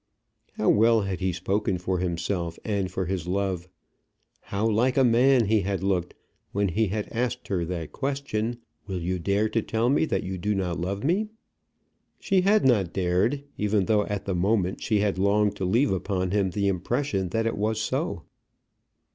How well had he spoken for himself, and for his love! How like a man he had looked, when he had asked her that question, "Will you dare to tell me that you do not love me?" She had not dared; even though at the moment she had longed to leave upon him the impression that it was so.